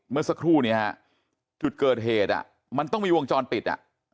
เมื่อสักครู่นี้ฮะจุดเกิดเหตุมันต้องมีวงจรปิดอ่ะ